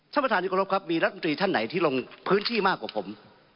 ท่านประธานที่กรบครับมีรัฐมนตรีท่านไหนที่ลงพื้นที่มากกว่าผม